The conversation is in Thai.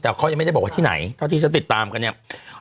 แต่เค้ายังไม่ได้บอกว่าที่ไหนเจ้าหน้าที่ที่จะติดตามกันนั้นเนี่ย